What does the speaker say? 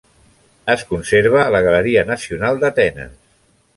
Es conserva a la Galeria Nacional d'Atenes.